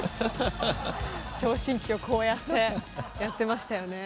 聴診器をこうやってやってましたよね。